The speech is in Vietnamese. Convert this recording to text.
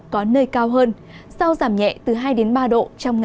có nơi cao hơn sau giảm nhẹ từ hai ba độ